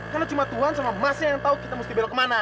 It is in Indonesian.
karena cuma tuhan sama emasnya yang tau kita musti belok kemana